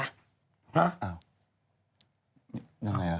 ฮะอย่างไรล่ะ